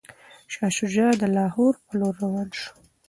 شاه شجاع د لاهور په لور روان شو.